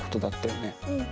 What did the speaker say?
うん。